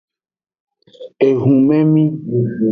Ehumemi.